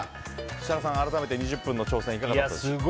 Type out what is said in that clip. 設楽さん、改めて２０分の挑戦いかがでしたでしょうか。